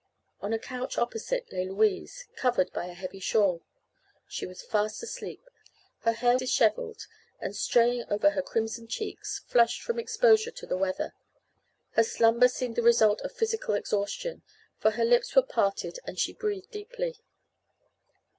On a couch opposite lay Louise, covered by a heavy shawl. She was fast asleep, her hair disheveled and straying over her crimson cheeks, flushed from exposure to the weather. Her slumber seemed the result of physical exhaustion, for her lips were parted and she breathed deeply.